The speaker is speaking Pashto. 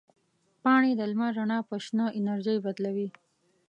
پاڼې د لمر رڼا په شنه انرژي بدلوي.